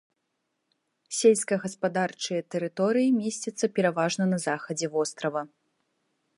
Сельскагаспадарчыя тэрыторыі месцяцца пераважна на захадзе вострава.